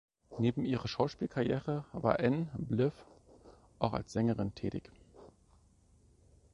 Neben ihrer Schauspielkarriere war Ann Blyth auch als Sängerin tätig.